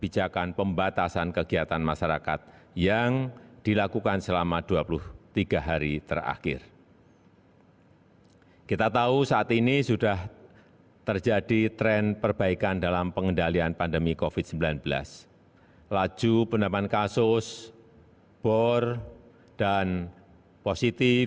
cnn indonesia breaking news